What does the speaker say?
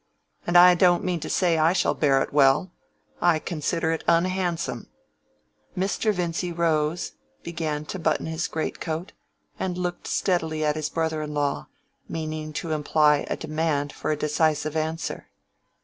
And I don't mean to say I shall bear it well. I consider it unhandsome." Mr. Vincy rose, began to button his great coat, and looked steadily at his brother in law, meaning to imply a demand for a decisive answer.